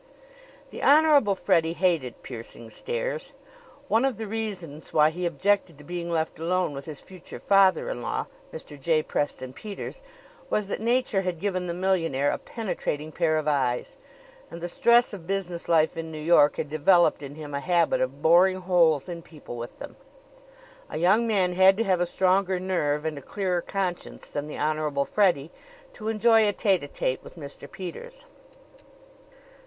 The Honorable Freddie hated piercing stares. One of the reasons why he objected to being left alone with his future father in law, Mr. J. Preston Peters, was that Nature had given the millionaire a penetrating pair of eyes, and the stress of business life in New York had developed in him a habit of boring holes in people with them. A young man had to have a stronger nerve and a clearer conscience than the Honorable Freddie to enjoy a tete a tete with Mr. Peters.